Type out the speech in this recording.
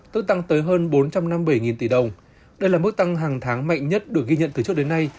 tức tăng tới hơn bốn trăm năm mươi bảy tỷ đồng đây là mức tăng hàng tháng mạnh nhất được ghi nhận từ trước đến nay